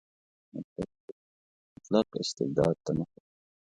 مطلق استبداد ته مخه کړه.